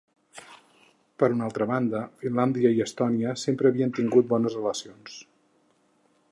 Per una altra banda, Finlàndia i Estònia sempre havien tingut bones relacions.